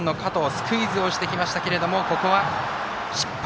スクイズをしてきましたけれどもここは失敗。